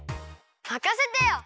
まかせてよ！